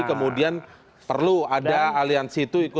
kemudian perlu ada aliansi itu